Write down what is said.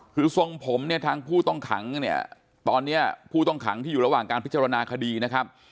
คือทรงผมเนี่ยทางผู้ต้องขังเนี่ยตอนนี้ผู้ต้องขังที่อยู่ระหว่างการพิจารณาคดีนะครับ